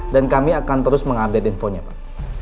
dan kami akan terus mengupdate infonya pak